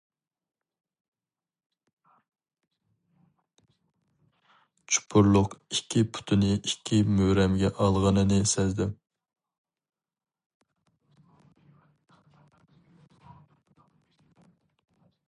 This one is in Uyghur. چۇپۇرلۇق ئىككى پۇتىنى ئىككى مۈرەمگە ئالغىنىنى سەزدىم.